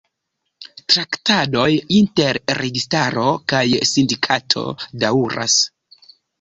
Traktadoj inter registaro kaj sindikato daŭras.